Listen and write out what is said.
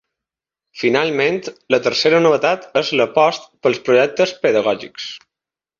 Finalment, la tercera novetat és l’apost pels projectes pedagògics.